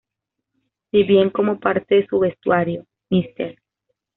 Si bien como parte de su vestuario, Mr.